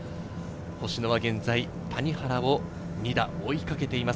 星野は現在、谷原を２打、追いかけています。